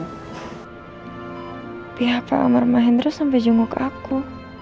tapi pak amar mahendros sampai jenguk aku